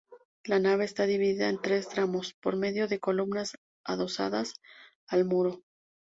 La nave está dividida en tres tramos, por medio de columnas adosadas al muro.